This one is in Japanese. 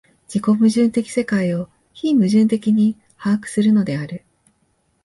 自己矛盾的世界を非矛盾的に把握するのである。